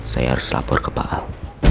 saya harus lapor ke pak hal